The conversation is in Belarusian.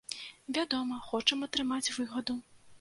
Вядома, хочам атрымаць выгаду.